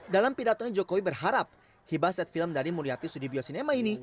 dalam piratonya jokowi berharap hibas set film dari muriati sudibio cinema ini